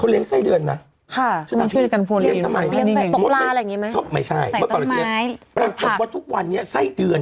ปรากฏว่าทุกวันนี้ไส้เดือน